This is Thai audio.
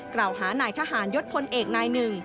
กล่าวหานายทหารยศพลเอกนายหนึ่ง